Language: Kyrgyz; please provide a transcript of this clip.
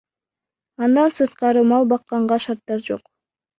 Андан сырткары мал бакканга шарттар жок.